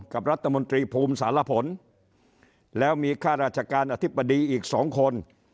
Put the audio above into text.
กับรัฐมนตรีภูมิสารผลแล้วมีข้าราชการอธิบดีอีกสองคน